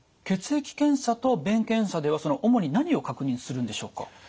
血液検査と便検査ではその主に何を確認するんでしょうか？